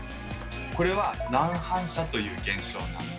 これは「乱反射」という現象なんです。